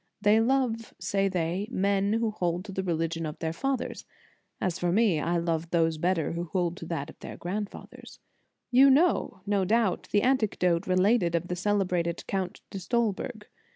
They love, say they, men who hold to the religion of their fathers ; as for me, I love those better who hold to that of their grand fathers. You know, no doubt, the anecdote related of the celebrated Count de Stolberg.